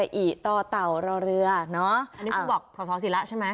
อันนี้คุณบอกสศศิราจำใช่ไหม